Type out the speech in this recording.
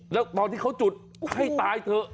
แล้วตอนที่เขาจุดให้ตายเถอะ